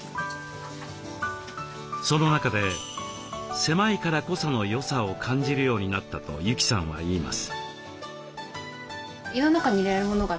その中で「狭いからこその良さ」を感じるようになったと由季さんは言います。